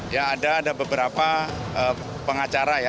ya ada ada beberapa pengacara ya